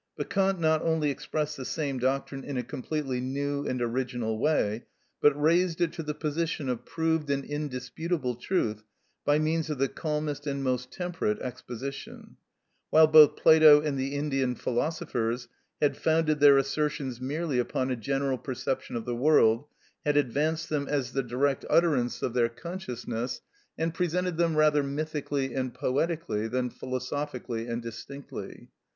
But Kant not only expressed the same doctrine in a completely new and original way, but raised it to the position of proved and indisputable truth by means of the calmest and most temperate exposition; while both Plato and the Indian philosophers had founded their assertions merely upon a general perception of the world, had advanced them as the direct utterance of their consciousness, and presented them rather mythically and poetically than philosophically and distinctly.